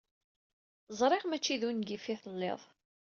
Ẓriɣ mačči d ungif i telliḍ.